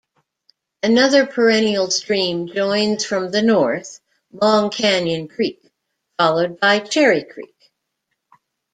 Another perennial stream joins from the north, long Canyon Creek, followed by Cherry Creek.